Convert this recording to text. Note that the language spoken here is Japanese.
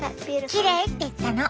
きれいって言ったの。